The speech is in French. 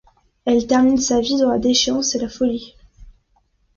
Elle termine sa vie dans la déchéance et la folie.